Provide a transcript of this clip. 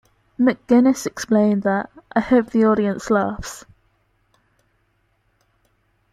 McGuinness explained that: I hope the audience laughs.